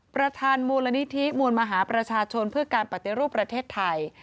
ประธานมูลนิธิมวลมหาประชาชนเพื่อการปฏิรูปประเทศไทย